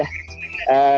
dan itu tuh schedulenya